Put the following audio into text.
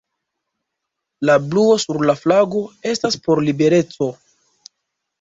La bluo sur la flago estas por libereco.